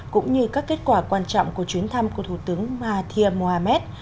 cũng như các kết quả quan trọng của chuyến thăm của thủ tướng mahathir mohamed